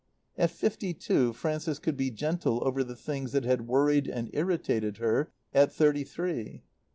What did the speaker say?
At fifty two Frances could be gentle over the things that had worried and irritated her at thirty three.